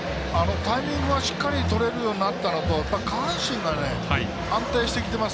タイミングがしっかり取れるようになったのと下半身が安定してきてます。